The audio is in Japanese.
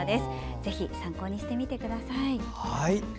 ぜひ、参考にしてみてください。